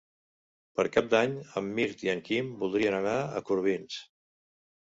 Per Cap d'Any en Mirt i en Quim voldrien anar a Corbins.